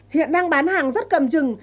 hiện đang bán hàng rất cầm chừng